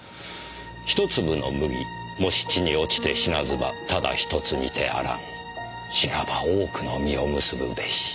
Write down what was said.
「一粒の麦もし地に落ちて死なずばただ一つにてあらん死なば多くの実を結ぶべし」。